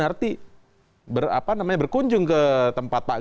bahwa dilibatkan sejak awal bahkan sebelum penantangan dan izin itu bisa dilakukan